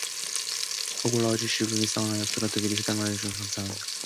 꼭 올라와 주실 줄 믿사오나 엽서로라도 미리 회답을 하여 주시면 더욱 감사하겠습니다.